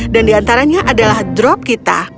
dan di antaranya adalah drop kita